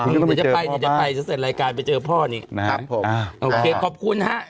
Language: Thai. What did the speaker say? เดี๋ยวจะไปจะเสร็จรายการไปเจอพ่อนี่ครับผมโอเคขอบคุณฮะ